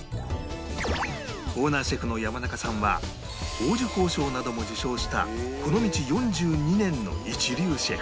オーナーシェフの山中さんは黄綬褒章なども受章したこの道４２年の一流シェフ